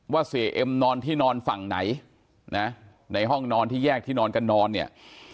เสียเอ็มนอนที่นอนฝั่งไหนนะในห้องนอนที่แยกที่นอนกันนอนเนี่ย